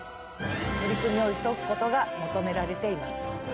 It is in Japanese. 取り組みを急ぐことが求められています。